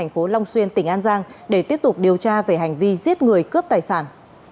thành phố long xuyên tỉnh an giang để tiếp tục điều tra về hành vi giết người cướp tài sản